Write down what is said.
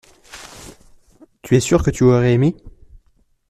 tu es sûr que tu aurais aimé.